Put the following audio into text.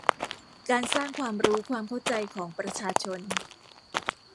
การสร้างความรู้ความเข้าใจของประชาชน